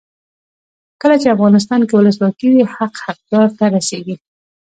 کله چې افغانستان کې ولسواکي وي حق حقدار ته رسیږي.